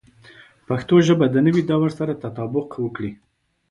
پښتو ژبه د نوي دور سره تطابق وکړي.